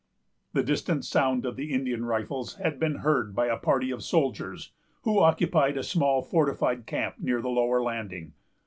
The distant sound of the Indian rifles had been heard by a party of soldiers, who occupied a small fortified camp near the lower landing.